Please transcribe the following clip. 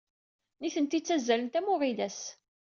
Nitenti ttazzalent am uɣilas.